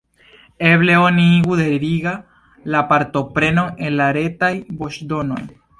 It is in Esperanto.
Eble oni igu deviga la partoprenon en la Retaj voĉdonoj.